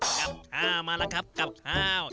กับข้าวมาแล้วครับกลับข้าว